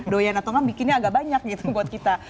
doyan atau ma bikinnya agak banyak gitu buat kita